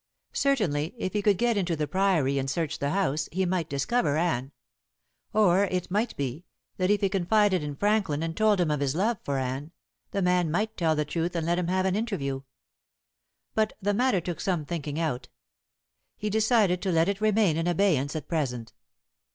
Certainly, if he could get into the Priory and search the house, he might discover Anne. Or, it might be, that if he confided in Franklin and told him of his love for Anne, the man might tell the truth and let him have an interview. But the matter took some thinking out. He decided to let it remain in abeyance at present.